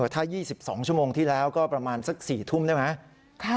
ถ้า๒๒ชั่วโมงที่แล้วก็ประมาณสัก๔ทุ่มได้ไหม